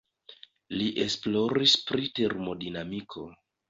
Li esploris pri termodinamiko.